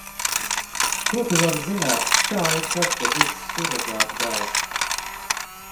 Ko tu vari zināt, kā ir tad, kad ir surogātdēls?